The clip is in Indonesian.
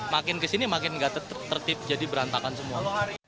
makin ke sini makin gak tertip jadi berantakan semua